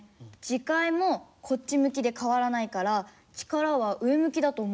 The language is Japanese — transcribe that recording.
磁界もこっち向きで変わらないから力は上向きだと思うんです。